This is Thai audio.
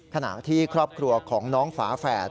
ขณะที่ครอบครัวของน้องฝาแฝด